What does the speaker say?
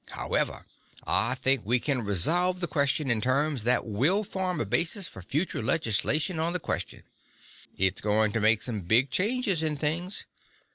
However, I think we can resolve the question in terms that will form a basis for future legislation on the question. It's going to make some big changes in things.